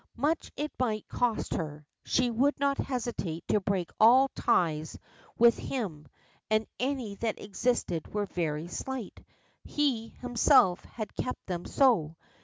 Much as it might cost her, she would not hesitate to break all ties with him, and any that existed were very slight. He, himself, had kept them so.